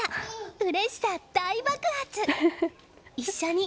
うれしさ大爆発。